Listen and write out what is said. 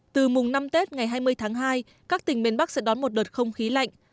từ mùng năm tết ngày hai mươi tháng hai các tỉnh miền bắc sẽ đón một đợt không khí lạnh